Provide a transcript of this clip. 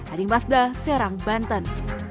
ading masda serang banten